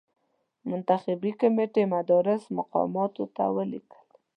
منتخبي کمېټې مدراس مقاماتو ته ولیکل.